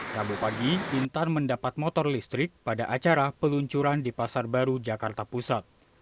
rabu pagi intan mendapat motor listrik pada acara peluncuran di pasar baru jakarta pusat